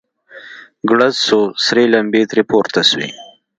ګړز سو سرې لمبې ترې پورته سوې.